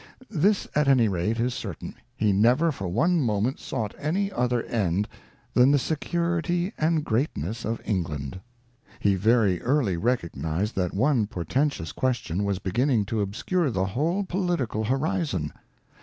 This, at any rate, is certain, he never for one moment sought any other end than the security and greatness of England. He very early recognized that one portentous question was beginning to obscure the whole political horizon.